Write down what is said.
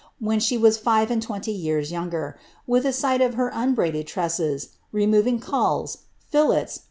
when she was five.ai;d lweuiy yrars younge sight of her unbraided tresses, removing raids, lillets.